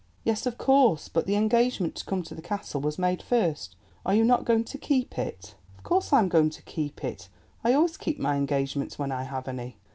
"Yes, of course; but the engagement to come to the Castle was made first; are you not going to keep it?" "Of course I am going to keep it; I always keep my engagements when I have any."